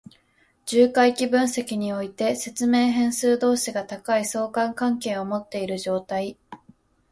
重回帰分析において、説明変数同士が高い相関関係を持っている状態。